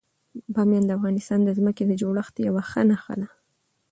بامیان د افغانستان د ځمکې د جوړښت یوه ښه نښه ده.